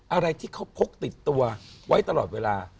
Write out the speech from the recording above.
อะไรที่เขาพกติดตัวไว้ตลอดเวลา